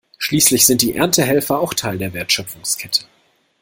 Schließlich sind die Erntehelfer auch Teil der Wertschöpfungskette.